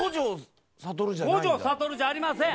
五条悟じゃありません。